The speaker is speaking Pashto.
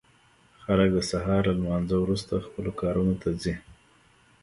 خلک د سهار له لمانځه وروسته خپلو کارونو ته ځي.